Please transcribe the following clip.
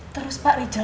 terus pak rijal